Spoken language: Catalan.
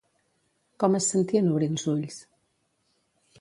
Com es sentí en obrir els ulls?